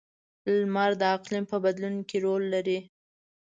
• لمر د اقلیم په بدلون کې رول لري.